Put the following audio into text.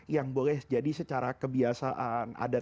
yang boleh jadi secara kebiasaan adat istiadat kita